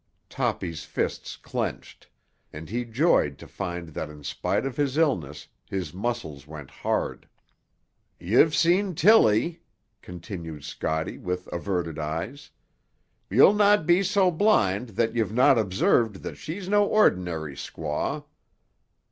Toppy's fists clenched, and he joyed to find that in spite of his illness his muscles went hard. "Ye've seen Tilly," continued Scotty with averted eyes. "Ye'll not be so blind that ye've not observed that she's no ordinar' squaw.